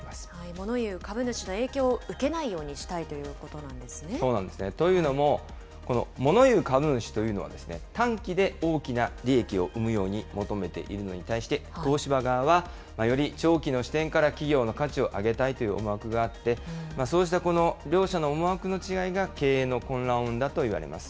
もの言う株主の影響を受けないようにしたいということなんでそうなんですね。というのも、このもの言う株主というのは、短期で大きな利益を生むように求めているのに対して、東芝側は、より長期の視点から企業の価値を上げたいという思惑があって、そうしたこの両者の思惑の違いが経営の混乱を生んだといわれます。